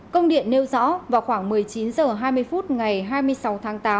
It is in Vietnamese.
công điện nêu rõ vào khoảng một mươi chín h hai mươi phút ngày hai mươi sáu tháng tám